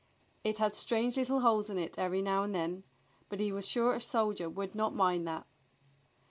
It had strange Httle holes in it every now and then, but he was sure a soldier would not mind that.